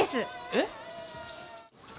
えっ？